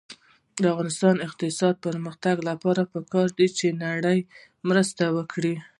د افغانستان د اقتصادي پرمختګ لپاره پکار ده چې نړۍ مرسته وکړي.